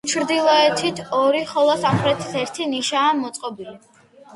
ჩრდილოეთით ორი, ხოლო სამხრეთით ერთი ნიშაა მოწყობილი.